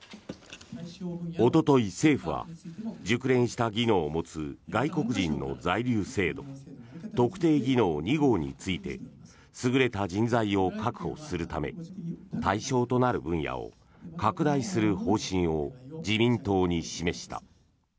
おととい政府は熟練した技能を持つ外国人の在留制度特定技能２号について優れた人材を確保するため対象となる分野を拡大する方針を自民党に示した。